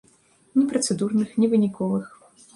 Ні працэдурных, ні выніковых.